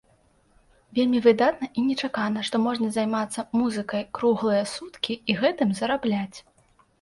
Вельмі выдатна і нечакана, што можна займацца музыкай круглыя суткі і гэтым зарабляць.